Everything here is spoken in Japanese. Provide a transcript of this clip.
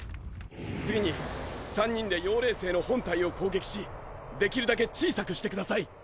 次に３人で妖霊星の本体を攻撃しできるだけ小さくしてください。